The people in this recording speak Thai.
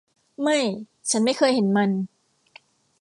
ไม่ ฉันไม่เคยเห็นมัน